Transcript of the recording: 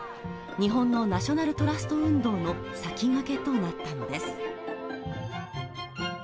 日本のナショナルトラスト運動の先駆けとなったのです。